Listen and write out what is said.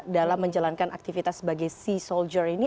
dalam menjalankan aktivitas sebagai sea soldier ini